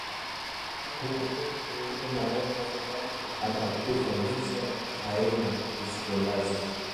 "Huyu naona atakufaa, ndizo aina uzipendazo